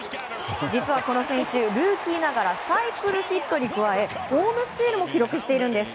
実は、この選手ルーキーながらサイクルヒットに加えホームスチールも記録しているんです。